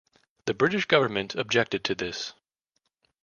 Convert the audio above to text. The British Government objected to this.